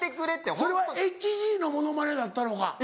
それはＨＧのモノマネだったのか？